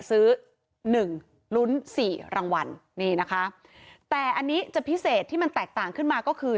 ซื้อหนึ่งลุ้นสี่รางวัลนี่นะคะแต่อันนี้จะพิเศษที่มันแตกต่างขึ้นมาก็คือ